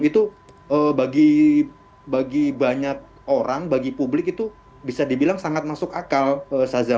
itu bagi banyak orang bagi publik itu bisa dibilang sangat masuk akal saza